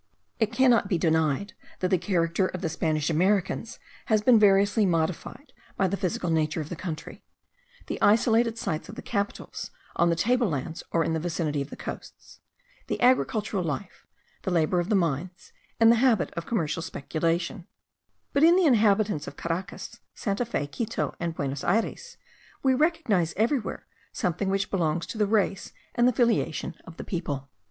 It cannot be denied that the character of the Spanish Americans has been variously modified by the physical nature of the country; the isolated sites of the capitals on the table lands or in the vicinity of the coasts; the agricultural life; the labour of the mines, and the habit of commercial speculation: but in the inhabitants of Caracas, Santa Fe, Quito, and Buenos Ayres, we recognize everywhere something which belongs to the race and the filiation of the people.